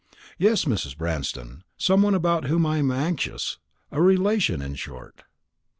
"Yes, Mrs. Branston, some one about whom I am anxious; a relation, in short."